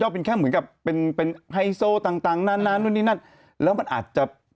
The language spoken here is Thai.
เป็นแค่เหมือนกับเป็นเป็นไฮโซต่างต่างนานนู่นนี่นั่นแล้วมันอาจจะ